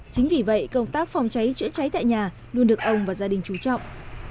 chính vì vậy công tác phòng cháy chữa cháy tại nhà luôn được ông và gia đình trú trọng